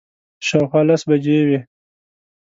شاوخوا لس بجې وې.